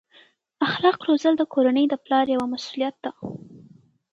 اخلاق روزل د کورنۍ د پلار یوه مسؤلیت ده.